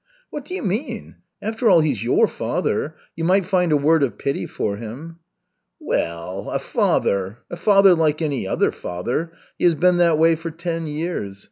"What do you mean? After all, he's your father. You might find a word of pity for him." "Well a father! A father like any other father. He has been that way for ten years.